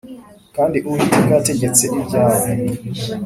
Kandi Uwiteka yategetse ibyawe